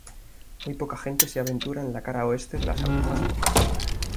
Muy poca gente se aventura en la cara oeste de las Agujas Rojas.